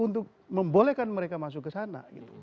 untuk membolehkan mereka masuk ke sana